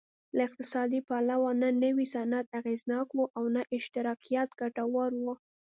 له اقتصادي پلوه نه نوی صنعت اغېزناک و او نه اشتراکیت ګټور و